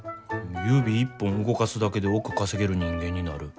指一本動かすだけで億稼げる人間になる。